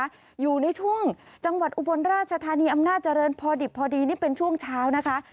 อายุเต้นหมู่อยู่ในช่วงจังหวัดอุบลราชธานีอำนาจเจริญพอดิบพอดีนี่เป็นช่วงเช้า